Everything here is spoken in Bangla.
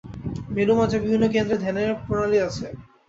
মেরুমজ্জার বিভিন্ন কেন্দ্রে ধ্যানের প্রণালী আছে।